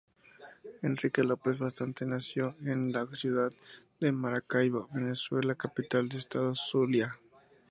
Enrique López bustamante nació en la ciudad de Maracaibo, Venezuela, capital del Estado Zulia.